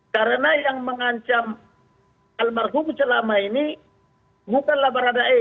karena yang mengancam almarhum selama ini bukanlah baradae